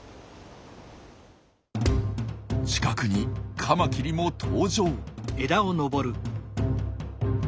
近くにカマキリも登場。